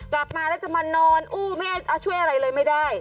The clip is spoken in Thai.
กลับมาแล้วจะมานอนอู้ไม่ให้ช่วยอะไรเลยไม่ได้